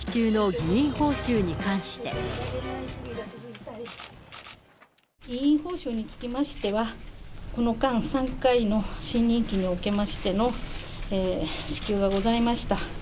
議員報酬につきましては、この間、３回の新任期におきましての支給がございました。